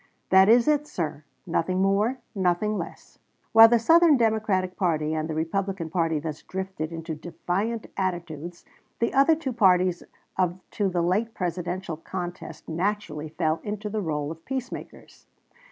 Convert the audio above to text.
That is it, sir; nothing more, nothing less." While the Southern Democratic party and the Republican party thus drifted into defiant attitudes the other two parties to the late Presidential contest naturally fell into the rôle of peacemakers.